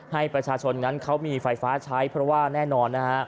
ให้ประชาชนนั้นเขามีไฟฟ้าใช้เพราะว่าแน่นอนนะฮะ